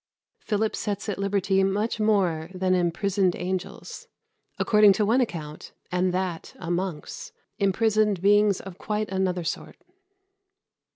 Philip sets at liberty much more than "imprisoned angels" according to one account, and that a monk's, imprisoned beings of quite another sort.